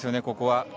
ここは。